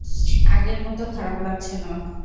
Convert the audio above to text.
আগের মতো খারাপ লাগছে না।